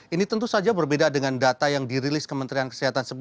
ini tentu saja berbeda dengan data yang dirilis kementerian kesehatan